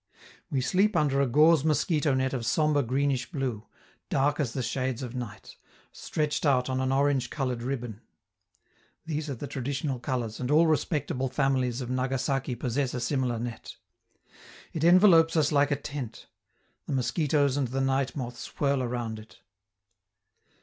We sleep under a gauze mosquito net of sombre greenish blue, dark as the shades of night, stretched out on an orange colored ribbon. (These are the traditional colors, and all respectable families of Nagasaki possess a similar net.) It envelops us like a tent; the mosquitoes and the night moths whirl around it.